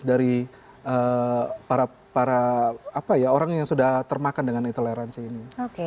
dari para orang yang sudah termakan dengan intoleransi ini